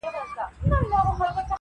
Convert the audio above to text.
که مي نصیب وطن ته وسو,